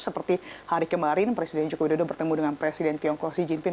seperti hari kemarin presiden joko widodo bertemu dengan presiden tiongkok xi jinping